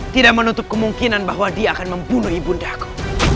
tidak menutup kemungkinan bahwa dia akan membunuh ibu ndako